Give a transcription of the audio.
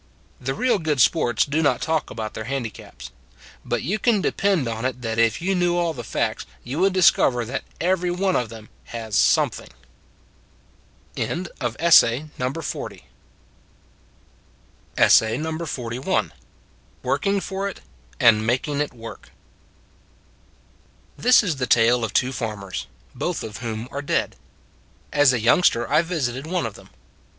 The real good sports do not talk about their handicaps; but you can depend on it that if you knew all the facts you would discover that every one of them has some thing. WORKING FOR IT AND MAKING IT WORK THIS is the tale of two farmers, both of whom are dead. As a youngster I visited one of them.